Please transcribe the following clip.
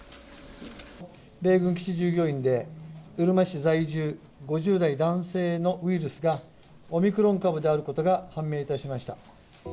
米軍基地従業員で、うるま市在住、５０代男性のウイルスが、オミクロン株であることが判明いたしました。